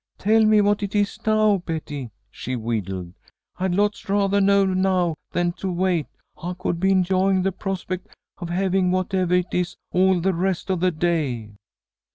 Tell me what it is now, Betty," she wheedled. "I'd lots rathah know now than to wait. I could be enjoying the prospect of having whatevah it is all the rest of the day."